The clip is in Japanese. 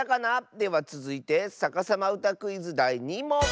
ではつづいて「さかさまうたクイズ」だい２もん。